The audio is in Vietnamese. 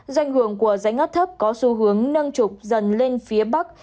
doanh hưởng của dãy ngất thấp có xu hướng nâng trục dần lên phía bắc